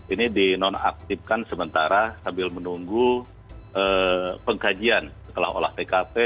ini dinonaktifkan sementara sambil menunggu pengkajian setelah olah tkp